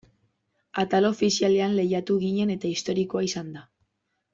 Atal ofizialean lehiatu ginen eta historikoa izan da.